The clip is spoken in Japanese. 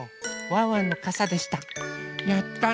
ワンワンのかさでした。